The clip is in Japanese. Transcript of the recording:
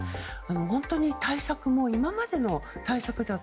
本当に今までの対策では